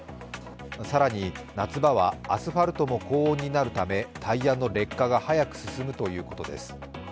更に、夏場はアスファルトも高温になるためタイヤの劣化が早く進むということです。